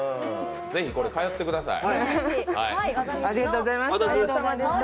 是非これ、通ってください。